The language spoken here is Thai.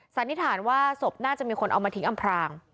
สันนิษฐานว่าศพน่าจะมีคนเอามาทิ้งอำพราง